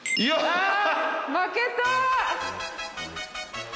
あ負けた。